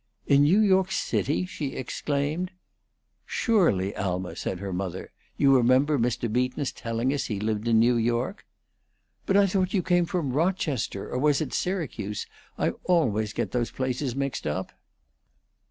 "In New York City!" she exclaimed. "Surely, Alma," said her mother, "you remember Mr. Beaton's telling us he lived in New York." "But I thought you came from Rochester; or was it Syracuse? I always get those places mixed up."